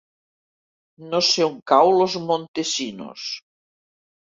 No sé on cau Los Montesinos.